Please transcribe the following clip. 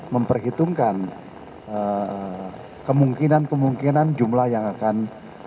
memperhitungkan kemungkinan kemungkinan jumlah yang akan